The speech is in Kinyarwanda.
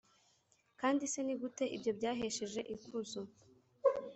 kandi se ni gute ibyo byahesheje ikuzo